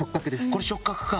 これ触角か。